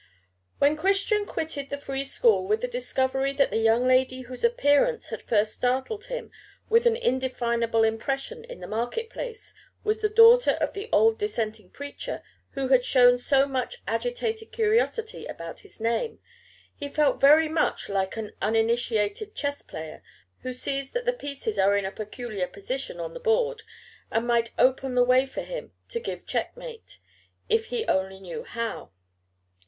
When Christian quitted the Free School with the discovery that the young lady whose appearance had first startled him with an indefinable impression in the market place was the daughter of the old Dissenting preacher who had shown so much agitated curiosity about his name, he felt very much like an uninitiated chess player, who sees that the pieces are in a peculiar position on the board, and might open the way for him to give checkmate, if he only knew how.